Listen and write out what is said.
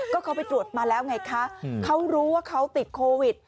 ก็เขาไปตรวจมาแล้วไงคะเขารู้ว่าเขาติดโควิด